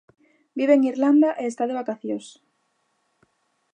Vive en Irlanda e está de vacacións.